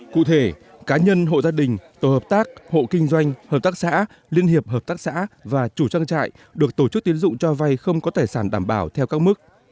cụ thể cá nhân hộ gia đình tổ hợp tác hộ kinh doanh hợp tác xã liên hiệp hợp tác xã và chủ trang trại được tổ chức tiến dụng cho vay không có tài sản đảm bảo theo các mức